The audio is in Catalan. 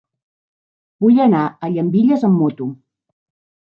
Vull anar a Llambilles amb moto.